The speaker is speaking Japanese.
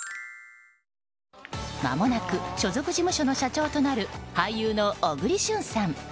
まもなく所属事務所の社長となる俳優の小栗旬さん。